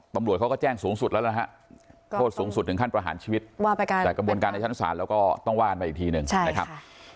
แล้วก็ต้องว่านไปอีกทีหนึ่งใช่ค่ะ